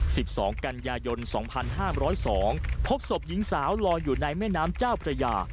สิบสองกันยายนสองพันห้ามร้อยสองพบศพหญิงสาวลอยอยู่ในแม่น้ำเจ้าพระยา